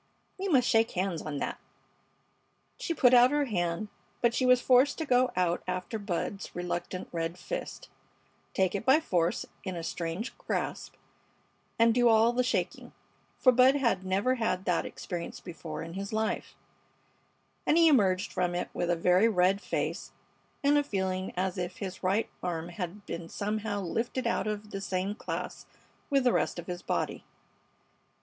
We must shake hands on that." She put out her hand, but she was forced to go out after Bud's reluctant red fist, take it by force in a strange grasp, and do all the shaking; for Bud had never had that experience before in his life, and he emerged from it with a very red face and a feeling as if his right arm had been somehow lifted out of the same class with the rest of his body.